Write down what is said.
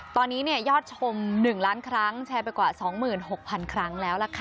ตอนนี้ยอดชม๑ล้านครั้งแชร์ไปกว่า๒๖๐๐๐ครั้งแล้วล่ะค่ะ